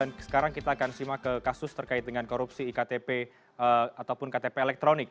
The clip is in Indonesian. dan sekarang kita akan simak ke kasus terkait dengan korupsi iktp ataupun ktp elektronik